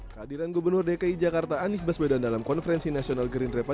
keadiran gubernur dki jakarta anies paswedan dalam konferensi nasional gerindra pada tujuh belas desember lalu